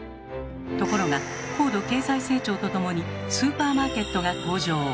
ところが高度経済成長とともにスーパーマーケットが登場。